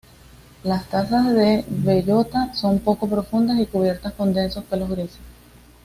Las tazas de bellota son poco profundas y cubiertas con densos pelos grises.